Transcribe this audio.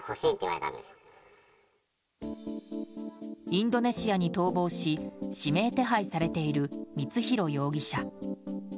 インドネシアに逃亡し指名手配されている光弘容疑者。